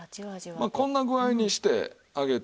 まあこんな具合にして揚げて。